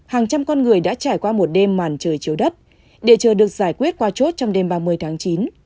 hàng trăm con người đã trải qua một đêm màn trời chiếu đất để chờ được giải quyết qua chốt trong đêm ba mươi tháng chín